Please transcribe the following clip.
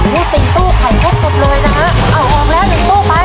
พี่สีตู้ไข่พุดลุดเลยนะคะ